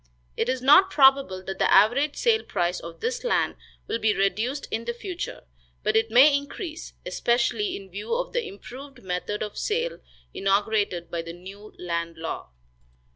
It is not probable that the average sale price of this land will be reduced in the future, but it may increase, especially in view of the improved method of sale inaugurated by the new land law."